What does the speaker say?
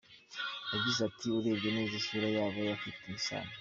Yagize ati “Urebye neza isura yabo bafitanye isano.